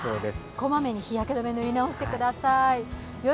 こまめに日焼け止め、塗り直してください。